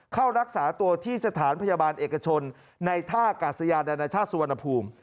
เข้ารักษาตัวที่สถานพยาบาลเอกชนในท่ากาศยานานาชาติสุวรรณภูมิ